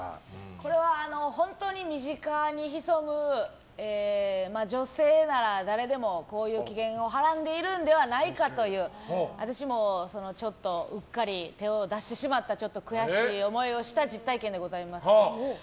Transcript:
これは本当に身近に潜む女性なら誰でもこういう危険をはらんでいるのではないかという私もうっかり手を出してしまった悔しい思いをした実体験でございます。